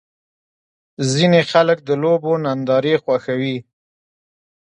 ځینې خلک د لوبو نندارې خوښوي.